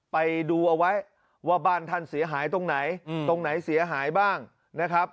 ไปดูเอาไว้ว่าบ้านท่านเสียหายตรงไหนตรงไหนเสียหายบ้างนะครับ